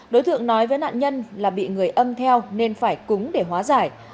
đối tượng nói với nạn nhân là bị người âm theo nên phải cúng để hóa giải